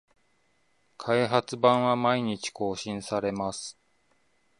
開発版は毎日更新されます